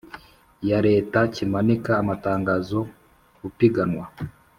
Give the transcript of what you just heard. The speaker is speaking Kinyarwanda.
ya Leta kimanika amatangazo Upiganwa